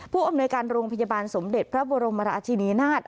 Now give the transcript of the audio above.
ผู้อำนวยการโรงพยาบาลสมเด็จพระบรมราชินีนาฏ